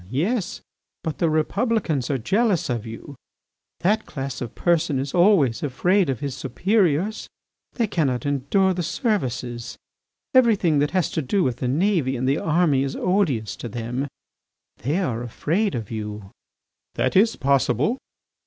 "Yes, but the Republicans are jealous of you. That class of person is always afraid of his superiors. They cannot endure the Services. Everything that has to do with the navy and the army is odious to them. They are afraid of you." "That is possible."